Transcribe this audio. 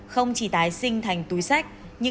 không chỉ tái sinh thành túi sách